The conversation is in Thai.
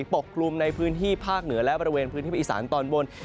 ปกครุมในพื้นที่ภาคเหนือและบริเวณพื้นที่ประอิสรรค์ตอนบน